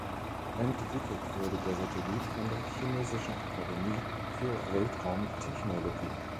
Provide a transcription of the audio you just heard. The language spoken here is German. Entwickelt wurde der Satellit von der chinesischen Akademie für Weltraumtechnologie.